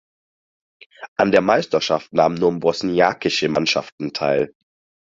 An der Meisterschaft nahmen nur bosniakische Mannschaften teil.